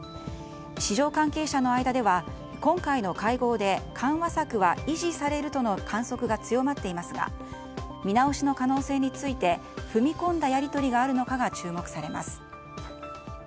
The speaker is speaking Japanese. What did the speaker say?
市場関係者の間では今回の会合で緩和策は維持されるとの観測が強まっていますが見直しの可能性について踏み込んだやり取りがあるのかが注目されます。